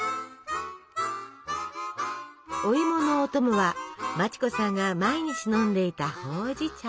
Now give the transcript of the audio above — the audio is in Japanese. おいものお供は町子さんが毎日飲んでいたほうじ茶。